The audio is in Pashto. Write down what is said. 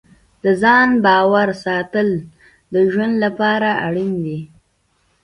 د ځان باور ساتل د ژوند لپاره اړین دي.